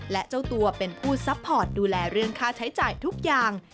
และเจ้าตัวเป็นผู้ซัพพอร์ตดูแลเรื่องค่าใช้จ่ายทุกอย่าง